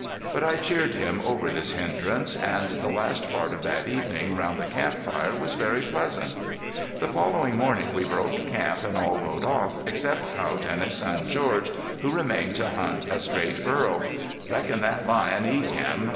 But I cheered him over this hindrance, and the last part of that evening round the camp fire was very pleasant. The following morning we broke camp, and all rode off, except Haught and his son George, who remained to hunt a strayed burro. "Reckon thet lion eat him.